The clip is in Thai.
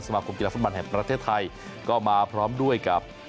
มาคมกีฬาฟุตบอลแห่งประเทศไทยก็มาพร้อมด้วยกับ